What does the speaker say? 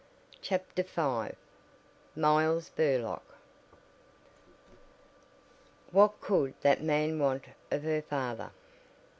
CHAPTER V MILES BURLOCK What could that man want of her father?